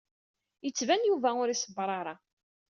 Yettban Yuba ur iṣebbeṛ ara.